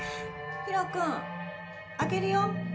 ヒロくん開けるよ。